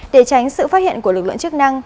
để tránh sự phát hiện của lực lượng chức năng